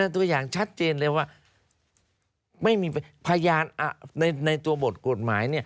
ตัวอย่างชัดเจนเลยว่าไม่มีพยานในตัวบทกฎหมาย